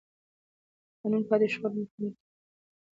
د قانون پوهاوی د شخړو مخنیوی کوي.